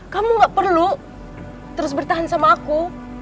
kamu gak perlu terus bertahan sama aku